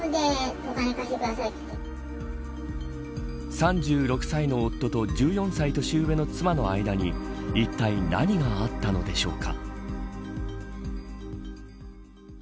３６歳の夫と１４歳年上の妻の間にいったい何があったのでしょうか。